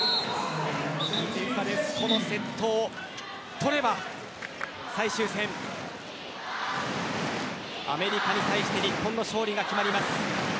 このセットを取れば最終戦、アメリカに対して日本の勝利が決まります。